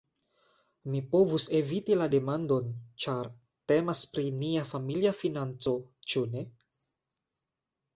Mi povus eviti la demandon, ĉar temas pri nia familia financo, ĉu ne?